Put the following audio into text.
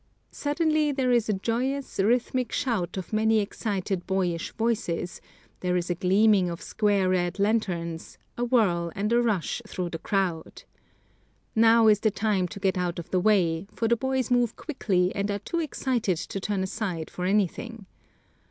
Suddenly there is a joyous, rhythmic shout of many excited boyish voices, there is a gleaming of square red lanterns, a whirl and a rush through the crowd. Now is the time to get out of the way, for the boys move quickly and are too excited to turn aside for anything.